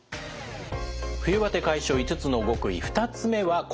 冬バテ解消５つの極意２つ目は「呼吸法」です。